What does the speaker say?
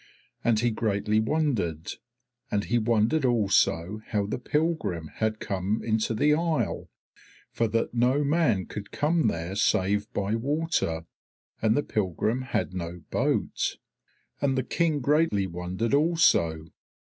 And he greatly wondered, and he wondered also how the pilgrim had come into the isle, for that no man could come there save by water, and the pilgrim had no boat. And the King greatly wondered also.